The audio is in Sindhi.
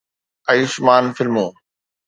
Ayushmann فلمون